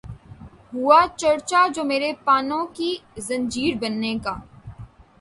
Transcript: ہوا چرچا جو میرے پانو کی زنجیر بننے کا